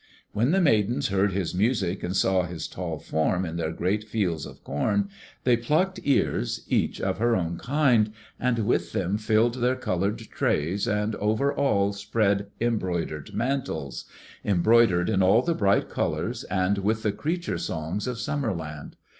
When the Maidens heard his music and saw his tall form in their great fields of corn, they plucked ears, each of her own kind, and with them filled their colored trays and over all spread embroidered mantles, embroidered in all the bright colors and with the creature songs of Summer land.